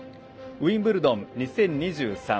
ウィンブルドン２０２３。